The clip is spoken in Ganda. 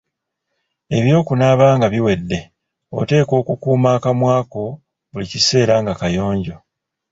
Eby'okunaaba nga biwedde, oteekwa okukuuma akamwa ko buli kiseera nga kayonjo.